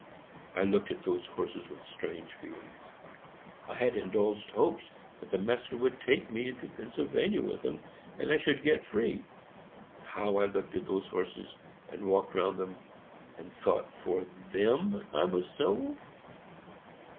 I looked at those horses with strange feelings. I had indulged hopes that master would take me into Pennsylvania with him, and I should get free. How I looked at those horses, and walked round them, and thought for them I was sold!